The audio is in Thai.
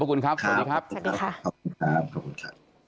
ขอบคุณครับสวัสดีครับสวัสดีค่ะขอบคุณครับขอบคุณครับ